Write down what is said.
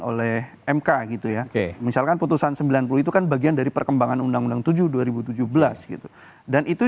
oleh mk gitu ya misalkan putusan sembilan puluh itu kan bagian dari perkembangan undang undang tujuh dua ribu tujuh belas gitu dan itu